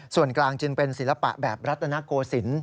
ส่วนกลางจึงเป็นศิลปะแบบรัฐนโกศิลป์